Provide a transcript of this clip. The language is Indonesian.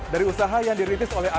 dari usaha yang diritis oleh asean